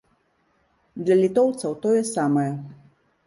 Для літоўцаў тое самае.